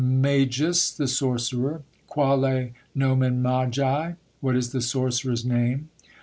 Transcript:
"Magus" (The sorcerer). "Quale nomen magi?" (What is the sorcerer's name?)